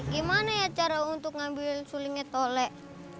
gimana ya cara ngambil sulingnya tolek